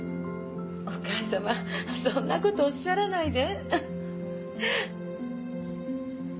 お義母様そんなことおっしゃらないで。